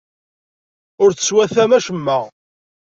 Ur teswatamt acemma.